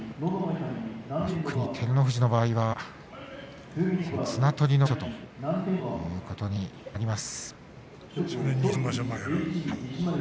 特に照ノ富士の場合は綱取りの場所ということになります。